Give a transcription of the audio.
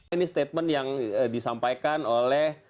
ini statement yang disampaikan oleh